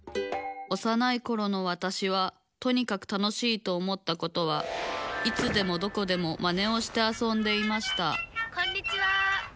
おさないころのわたしはとにかく楽しいと思ったことはいつでもどこでもマネをしてあそんでいましたこんにちは。